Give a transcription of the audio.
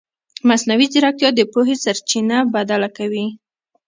مصنوعي ځیرکتیا د پوهې سرچینه بدله کوي.